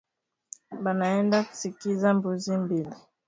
Banaenda kuuzisha mbuzi mbili